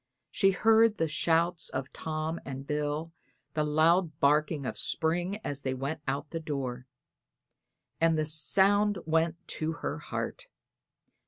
She heard the shouts of Tom and Bill and the loud barking of Spring as they swept out of the door; and the sound went to her heart.